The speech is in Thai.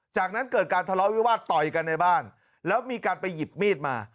จากนั้นเกิดการทะเลาะวิวาสต่อยกันในบ้านแล้วมีการไปหยิบมีดมา